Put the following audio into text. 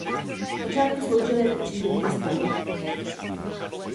Zpočátku sloužily jako příbytky stany.